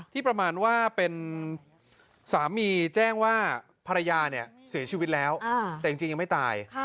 ประมาณว่าเป็นสามีแจ้งว่าภรรยาเนี่ยเสียชีวิตแล้วแต่จริงยังไม่ตาย